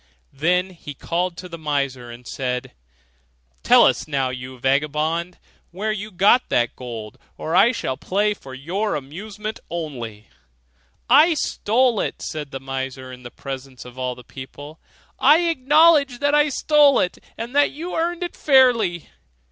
Then he called to the miser, and said, 'Tell us now, you vagabond, where you got that gold, or I shall play on for your amusement only,' 'I stole it,' said the miser in the presence of all the people; 'I acknowledge that I stole it, and that you earned it fairly.